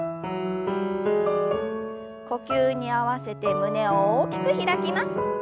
呼吸に合わせて胸を大きく開きます。